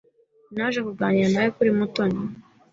Naje kuganira nawe kuri Mutoni.